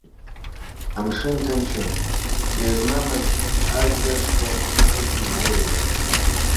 Амшын ҭынчын, ҵҩа змамыз ажәҩашқәа хыгьежьылон.